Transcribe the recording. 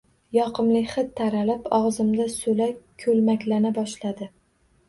Yoqimli hid taralib, og‘zimda so‘lak ko‘lmaklana boshladi